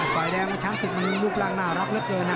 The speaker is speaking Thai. ด่ายแดงหยางช้างมีลูกรางน่ารักมากเลยนะ